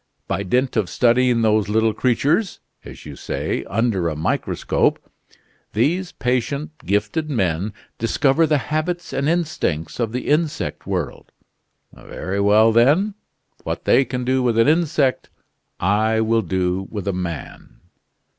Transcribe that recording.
By dint of studying those little creatures as you say under a microscope, these patient, gifted men discover the habits and instincts of the insect world. Very well, then. What they can do with an insect, I will do with a man!"